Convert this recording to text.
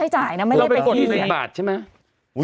ต้องไปกด๒๐บาทใช่ไหม